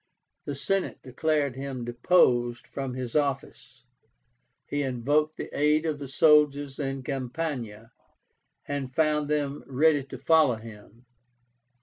The Senate declared him deposed from his office. He invoked the aid of the soldiers in Campania, and found them ready to follow him.